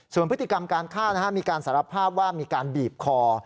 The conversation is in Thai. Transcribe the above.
ส่วนพฤติกรรมการฆ่ามีการสารภาพว่ามีการบีบคอ